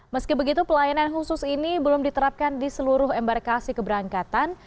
meski begitu pelayanan khusus ini belum diterapkan di seluruh embarkasi keberangkatan